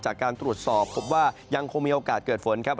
จากการตรวจสอบพบว่ายังคงมีโอกาสเกิดฝนครับ